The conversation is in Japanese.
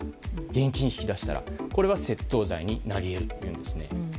現金を引き出したら窃盗罪になり得るというんですね。